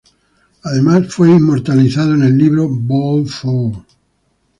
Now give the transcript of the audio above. Además, fue inmortalizado en el libro "Ball Four".